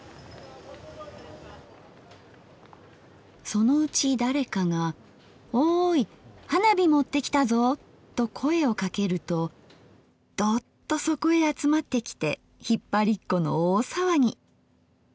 「そのうち誰かが『オーイ花火持ってきたぞ！』と声をかけるとどっとそこへ集まってきて引っ張りっこの大さわぎ。